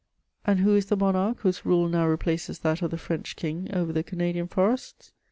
And who is the monarch whose rule now replaces that of the French King over the Canadian forests